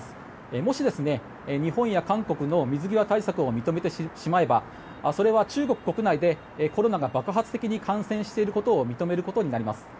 もし、日本や韓国の水際対策を認めてしまえばそれは中国国内で、コロナが爆発的に感染していることを認めることになります。